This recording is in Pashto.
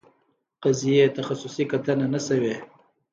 قضیې تخصصي کتنه نه شوې.